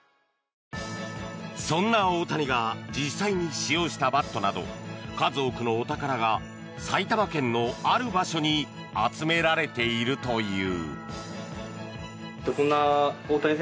そんな大谷が実際に使用したバットなど数多くのお宝が埼玉県のある場所に集められているという。